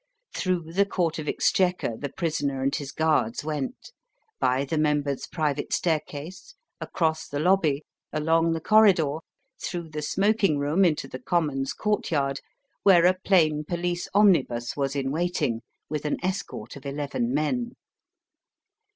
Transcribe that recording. Through the Court of Exchequer the prisoner and his guards went, by the members' private staircase, across the lobby, along the corridor, through the smoking room into the Commons Courtyard, where a plain police omnibus was in waiting with an escort of eleven men.